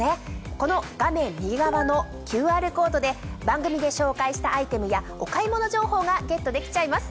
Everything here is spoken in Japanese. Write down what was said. この画面右側のＱＲコードで番組で紹介したアイテムやお買い物情報がゲットできちゃいます。